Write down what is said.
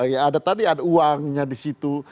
ya tadi ada uangnya disitu